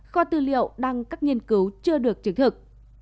kho tư liệu đăng các nghiên cứu chưa được chứng thực